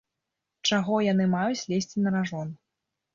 Чаго яны маюць лезці на ражон?